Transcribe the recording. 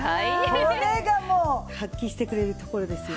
これがもう発揮してくれるところですよ。